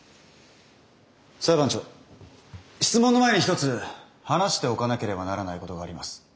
裁判長質問の前に一つ話しておかなければならないことがあります。